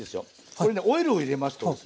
これねオイルを入れますとですね